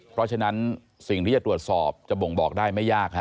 เพราะฉะนั้นสิ่งที่จะตรวจสอบจะบ่งบอกได้ไม่ยาก